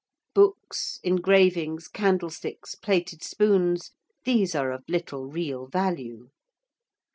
Books, engravings, candlesticks, plated spoons these are of little real value.